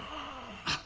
あっ。